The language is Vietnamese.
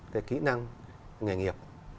để kỹ năng nghề nghiệp